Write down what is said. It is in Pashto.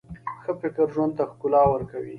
ښه فکر ژوند ته ښکلا ورکوي.